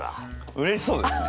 うれしそうですね。